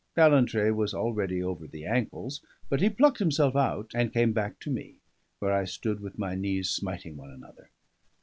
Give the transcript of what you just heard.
Ballantrae was already over the ankles; but he plucked himself out, and came back to me, where I stood with my knees smiting one another.